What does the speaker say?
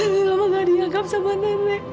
mama nggak dianggap sama nenek